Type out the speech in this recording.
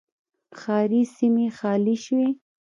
ښاري سیمې خالي شوې